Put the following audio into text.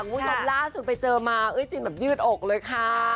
ค่ะวันย้อนล่าสุดไปเจอมาเอ๋ยจินแบบยืดอกเลยค่ะ